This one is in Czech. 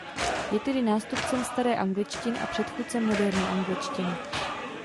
Je tedy nástupcem staré angličtiny a předchůdcem moderní angličtiny.